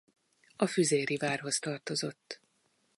A füzéri várhoz tartozott.